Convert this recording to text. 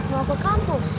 mau ke kampus